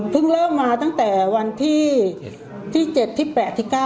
พึ่งเริ่มมาตั้งแต่วันที่๗ที่๘ที่๙เนี่ยค่ะ